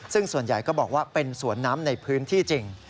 ซึ่งส่วนใหญ่ก็บอกว่าเป็นสวนน้ำในพื้นที่จริง